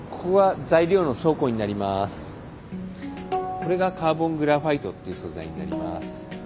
これがカーボングラファイトっていう素材になります。